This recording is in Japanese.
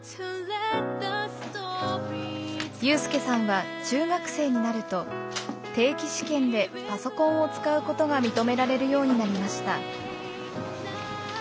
有さんは中学生になると定期試験でパソコンを使うことが認められるようになりました。